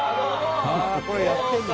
これやってんの？